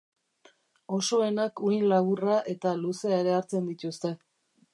Osoenek uhin laburra eta luzea ere hartzen dituzte.